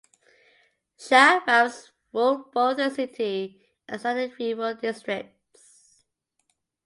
"Shahrabs" ruled both the city and the surrounding rural districts.